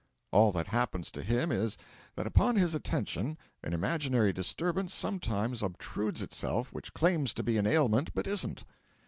All that happens to him is, that upon his attention an imaginary disturbance sometimes obtrudes itself which claims to be an ailment, but isn't.